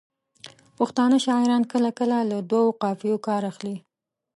پښتانه شاعران کله کله له دوو قافیو کار اخلي.